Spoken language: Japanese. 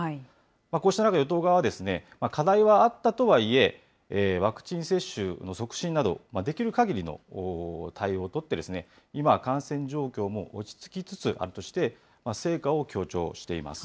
こうした中、与党側は課題はあったとはいえ、ワクチン接種の促進など、できるかぎりの対応を取って、今、感染状況も落ち着きつつあるとして、成果を強調しています。